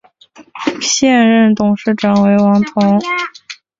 现任董事长为王炯。